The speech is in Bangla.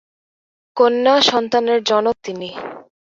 কন্যা সন্তানের জনক তিনি।